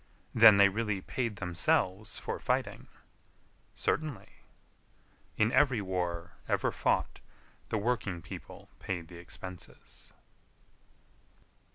Then they really paid themselves for fighting? Certainly. In every war ever fought the working people paid the expenses.